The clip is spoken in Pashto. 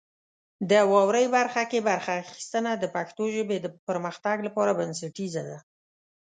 د واورئ برخه کې برخه اخیستنه د پښتو ژبې د پرمختګ لپاره بنسټیزه ده.